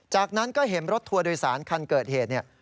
จากนั้นก็เห็นรถทัวร์โดยสารคันเกิดเหตุเนี่ย